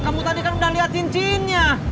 kamu tadi kan udah lihat cincinnya